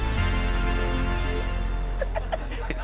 ハハハッ！